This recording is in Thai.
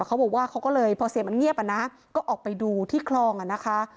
เขาบอกว่าเขาก็เลยพอเสียงมันเงียบอ่ะนะก็ออกไปดูที่คลองอ่ะนะคะ